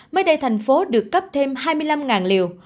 mới đây thành phố được cấp thêm hai mươi năm liều